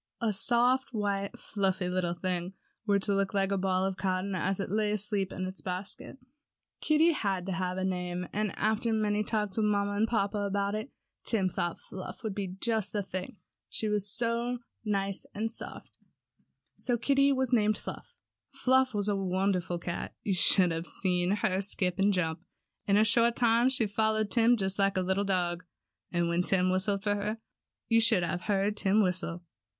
A soft, white, fluffy little thing, which looked like a ball of cotton, as it lay asleep in its basket. 46 TIM'S CAT. Kitty had to have a name and after many talks with mamma and papa about it, Tim thought Fluff would be just the thing, she was so nice and soft. So Kitty was named Fluff. Fluff was a wonderful cat. You should have seen her skip and jump. In a short time she followed Tim just like a little dog. And when Tim whistled for her (you should have heard Tim whistle).